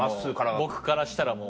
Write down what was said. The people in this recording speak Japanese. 僕からしたらもう。